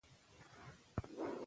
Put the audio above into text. مېلې د خلکو ذهنونه آراموي.